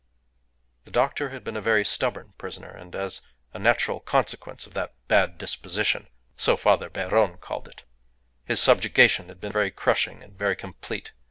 The doctor had been a very stubborn prisoner, and, as a natural consequence of that "bad disposition" (so Father Beron called it), his subjugation had been very crushing and very complete.